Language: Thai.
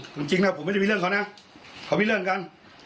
จริงนะผมไม่ได้มีเรื่องเขานะเขามีเรื่องกัน